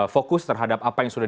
fokus terhadap apa yang sudah